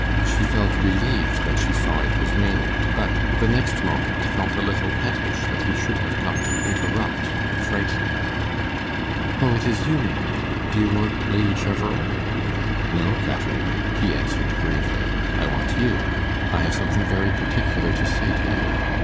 She felt relieved when she saw it was Maynard, but, the next moment, felt a little pettish that he should have come to interrupt and frighten her. 'Oh, it is you, Maynard! Do you want Lady Cheverel?' 'No, Caterina,' he answered gravely; 'I want you. I have something very particular to say to you.